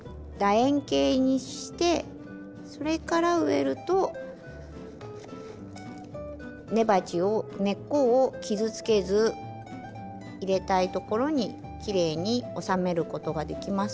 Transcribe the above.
円形にしてそれから植えると根鉢を根っこを傷つけず入れたいところにきれいに収めることができますので。